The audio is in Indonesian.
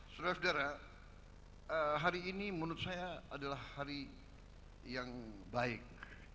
saudara saudara hari ini menurut saya adalah hari yang baik